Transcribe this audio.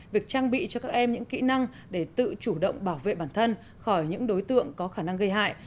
việc trang bị cho các em những kỹ năng để tự chủ động bảo vệ bản thân khỏi những đối tượng có khả năng gây hại